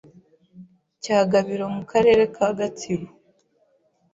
cya Gabiro mu Karere ka Gatsibo,